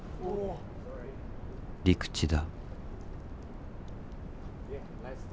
陸地だ。